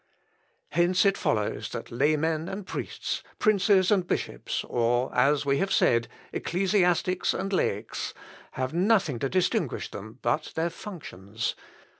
"Hence it follows that laymen and priests, princes and bishops, or, as we have said, ecclesiastics and laics, have nothing to distinguish them but their functions.